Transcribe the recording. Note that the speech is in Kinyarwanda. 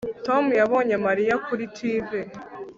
tom yabonye mariya kuri tv